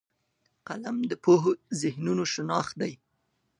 قلم د پوهو ذهنونو شناخت دی